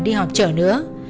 đi họp trở nữa